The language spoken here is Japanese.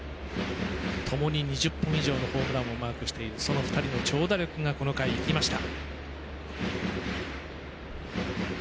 ともに２０本以上のホームランをマークしている、その２人の長打力がこの回、生きました。